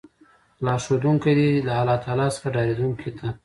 لار ښودونکی دی له الله تعالی څخه ډاريدونکو ته